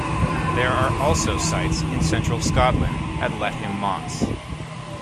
There are also sites in Central Scotland at Letham Moss.